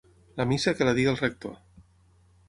La missa que la digui el rector.